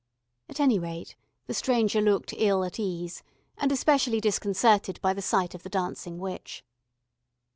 At any rate the stranger looked ill at ease, and especially disconcerted by the sight of the dancing witch.